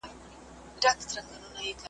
زهٔ به هغه جنت څهٔ کړم